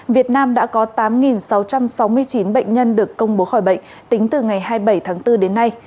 việt nam đã có tám sáu trăm sáu mươi chín bệnh nhân được công bố khỏi bệnh tính từ ngày hai mươi bảy tháng bốn đến nay